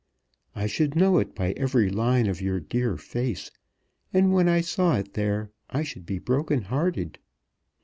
I should know it by every line of your dear face, and when I saw it there I should be broken hearted.